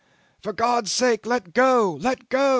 For God's sake, let go! Let go!